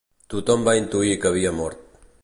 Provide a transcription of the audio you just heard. Tothom va intuir que havia mort.